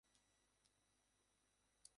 গাড়ি থামালে কেন?